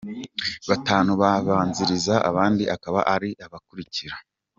Batanu babanziriza abandi akaba ari aba bakurikira :.